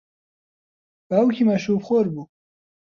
باوکی مەشروبخۆر بوو.